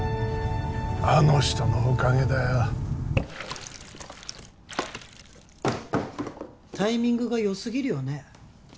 あの人のおかげだよタイミングがよすぎるよね